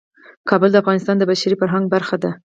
کابل د افغانستان د بشري فرهنګ برخه ده.